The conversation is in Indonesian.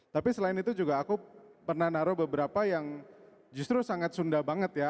tapi selain itu juga aku pernah naruh beberapa yang justru sangat sunda banget ya